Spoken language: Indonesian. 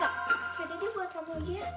ya dedy buat kamu aja